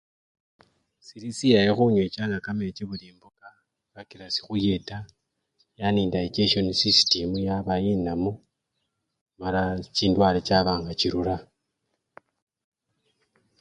Sili silayi khunwechanga kamechi buli mbuka, kakila sikhuyeta yani dayichesyoni sisistimu yaba inamu bala chindwale chaba nga chirura.